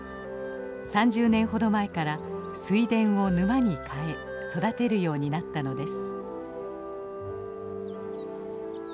３０年ほど前から水田を沼に変え育てるようになったのです。